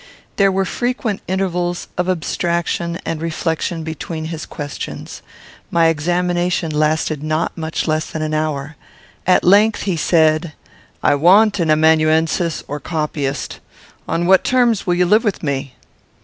There were frequent intervals of abstraction and reflection between his questions. My examination lasted not much less than an hour. At length he said, "I want an amanuensis or copyist. On what terms will you live with me?"